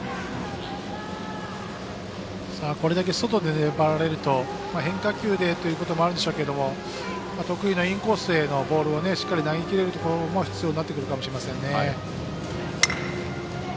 これだけ外でこられると変化球でということもあるんでしょうけども得意なインコースへのボールをしっかり投げきれるところも必要になってくるかもしれませんね。